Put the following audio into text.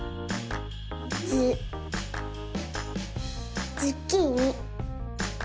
ズズッキーニ。